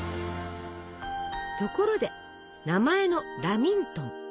ところで名前の「ラミントン」。